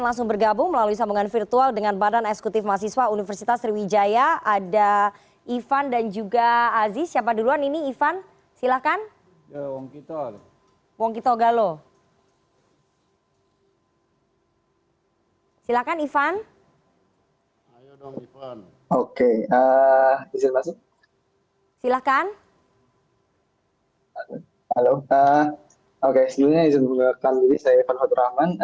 halo oke sebelumnya izin mengucapkan diri saya evan fadur rahman